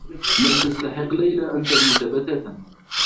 لم تستحق ليلى أن تموت بتاتا.